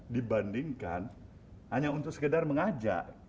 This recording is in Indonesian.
dibandingkan hanya untuk sekedar mengajak